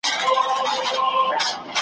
نه د خیر نه د ریشتیا تمه له چا سته .